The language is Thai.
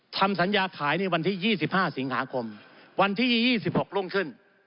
ทำสัญญาขายในวันที่๒๕สิงหาคมวันที่๒๖รุ่งขึ้น